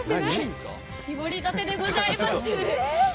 搾りたてでございます。